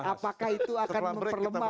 apakah itu akan memperlemah